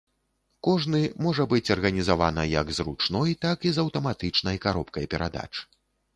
Кожны можа быць арганізавана як з ручной, так і з аўтаматычнай каробкай перадач.